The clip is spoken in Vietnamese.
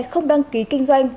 không đăng ký kinh doanh